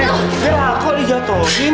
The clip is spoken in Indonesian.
eh dia lah kok dijatuhin